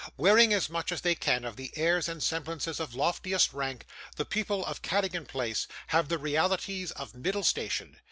Wearing as much as they can of the airs and semblances of loftiest rank, the people of Cadogan Place have the realities of middle station.